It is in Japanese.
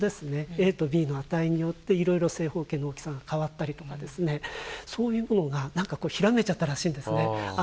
ＡとＢの値によっていろいろ正方形の大きさが変わったりとかですねそういうものがなんかひらめいちゃったらしいんですね。